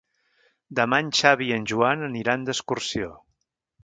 Demà en Xavi i en Joan aniran d'excursió.